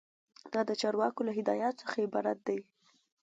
دا د چارواکو له هدایاتو څخه عبارت دی.